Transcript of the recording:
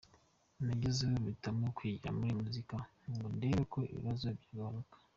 Nagezaho mpitamo kwigira muri muzika ngo ndebe ko ibibazo byagabanuka.